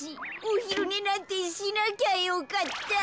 おひるねなんてしなきゃよかった。